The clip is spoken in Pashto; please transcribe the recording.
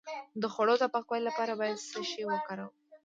د خوړو د پاکوالي لپاره باید څه شی وکاروم؟